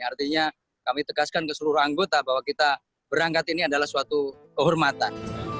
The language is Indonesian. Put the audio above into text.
artinya kami tegaskan ke seluruh anggota bahwa kita berangkat ini adalah suatu kehormatan